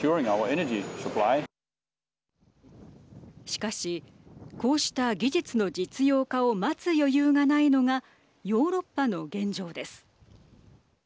しかし、こうした技術の実用化を待つ余裕がないのがヨーロッパの現状です。